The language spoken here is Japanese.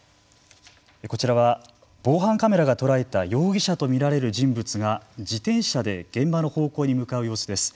こちらは防犯カメラが捉えた容疑者とみられる人物が自転車で現場の方向に向かう様子です。